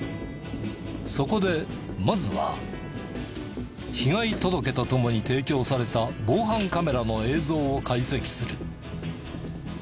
そこでまずは被害届とともに提供された防犯カメラの映像を解析する。